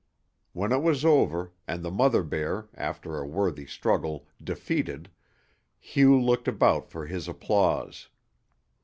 When it was over, and the mother bear, after a worthy struggle, defeated, Hugh looked about for his applause.